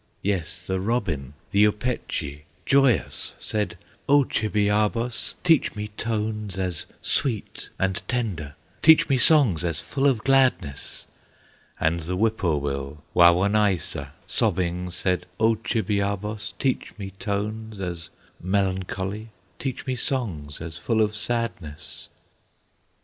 Yes, the robin, the Opechee, Joyous, said, "O Chibiabos, Teach me tones as sweet and tender, Teach me songs as full of gladness!" And the whippoorwill, Wawonaissa, Sobbing, said, "O Chibiabos, Teach me tones as melancholy, Teach me songs as full of sadness!"